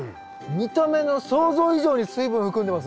見た目の想像以上に水分含んでますね。